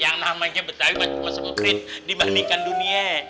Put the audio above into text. yang namanya betawi masih masih kekrit dibandingkan dunia